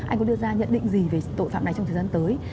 anh có đưa ra nhận định gì về tội phạm này trong thời gian tới